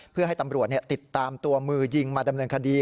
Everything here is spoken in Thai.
เพื่อให้ตำรวจติดตามตัวมือยิงมาดำเนินคดี